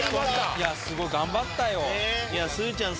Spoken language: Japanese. いやすごい頑張ったよ。